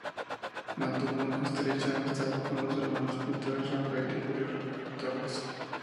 Mantuvo una estrecha amistad con los hermanos pintores Rafael y Julio Romero de Torres.